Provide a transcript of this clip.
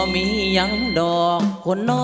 ดีแสดง